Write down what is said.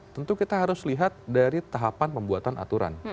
tentu kita harus lihat dari tahapan pembuatan aturan